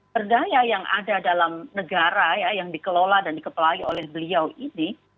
berdaya yang ada dalam negara yang dikelola dan dikepelai oleh beliau ini